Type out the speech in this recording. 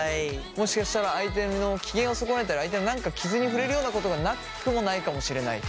もしかしたら相手の機嫌を損ねたり相手の何か傷に触れるようなことがなくもないかもしれないと？